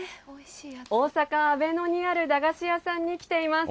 大阪・阿倍野にある駄菓子屋さんに来ています。